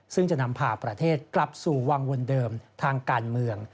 ซึ่งจะนำพาประเทศกลับสู่วังวนเดิมทางการเมือง